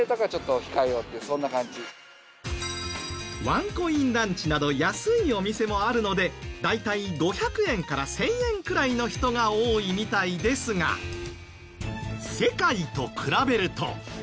ワンコインランチなど安いお店もあるので大体５００円から１０００円くらいの人が多いみたいですが世界と比べると。